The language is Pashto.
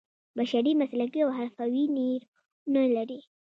بشري مسلکي او حرفوي نیرو نه لري.